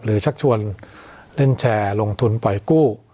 ชักชวนเล่นแชร์ลงทุนปล่อยกู้